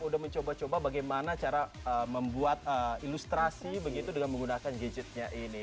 udah mencoba coba bagaimana cara membuat ilustrasi begitu dengan menggunakan gadgetnya ini